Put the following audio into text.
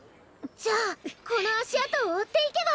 じゃあこのあしあとをおっていけば！